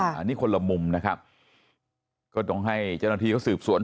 อันนี้คนละมุมนะครับก็ต้องให้เจ้าหน้าที่เขาสืบสวน